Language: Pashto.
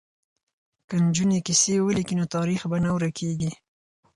که نجونې کیسې ولیکي نو تاریخ به نه ورکيږي.